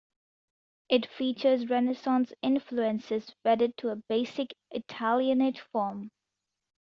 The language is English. It features Renaissance influences wedded to a basic Italianate form.